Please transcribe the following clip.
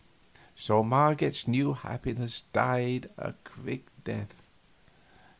So Marget's new happiness died a quick death.